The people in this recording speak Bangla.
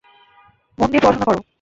মন দিয়ে পড়াশোনা করো।